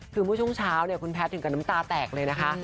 คือเมื่อช่วงเช้าเนี่ยคุณแพทย์ถึงกับน้ำตาแตกเลยนะคะ